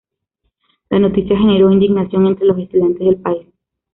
La noticia generó indignación entre los estudiantes del país.